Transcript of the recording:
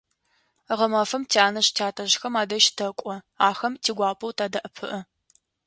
Гъэмэфэм тянэжъ-тятэжъхэм адэжь тэкӀо, ахэм тигуапэу тадэӀэпыӀэ.